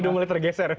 udah mulai tergeser